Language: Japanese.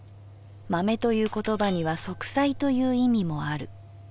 まめという言葉には息災という意味もある。